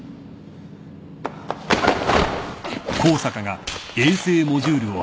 あっ